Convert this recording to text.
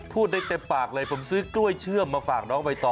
พูดได้เต็มปากเลยผมซื้อกล้วยเชื่อมมาฝากน้องใบตอ